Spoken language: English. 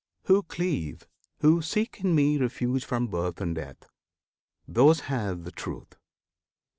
Who cleave, who seek in Me Refuge from birth[FN#14] and death, those have the Truth!